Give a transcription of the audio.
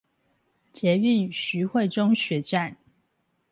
捷運徐匯中學站